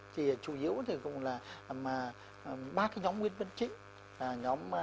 thì chủ yếu thì cũng là ba cái nhóm nguyên vấn chính